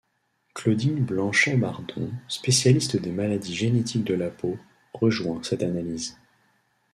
Claudine Blanchet-Bardon, spécialiste des maladies génétiques de la peau, rejoint cette analyse.